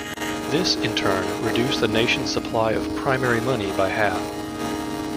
This, in turn, reduced the nation's supply of primary money by half.